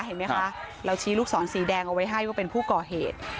เห็นไหมคะเราชี้ลูกศรสีแดงเอาไว้ให้ว่าเป็นผู้ก่อเหตุ